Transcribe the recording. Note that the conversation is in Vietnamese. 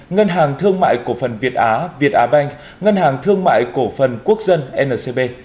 ngân hàng thương mại cổ phần việt á việt á banh ngân hàng thương mại cổ phần quốc dân ncb